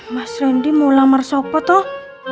mas rendy mau lamar sopet oh